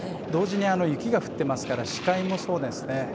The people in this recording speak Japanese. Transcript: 同時に雪が降ってますから視界もそうですね